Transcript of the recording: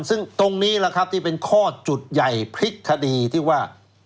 ซึ่งตรงนี้แหละครับที่เป็นข้อจุดใหญ่พลิกคดีที่ว่า